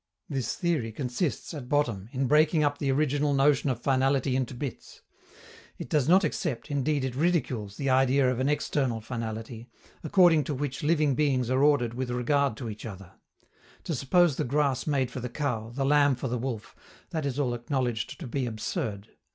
This theory consists, at bottom, in breaking up the original notion of finality into bits. It does not accept, indeed it ridicules, the idea of an external finality, according to which living beings are ordered with regard to each other: to suppose the grass made for the cow, the lamb for the wolf that is all acknowledged to be absurd.